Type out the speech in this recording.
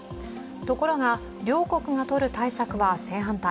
ところが、両国がとる対策は正反対。